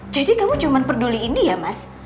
jadi kamu cuma peduliin dia mas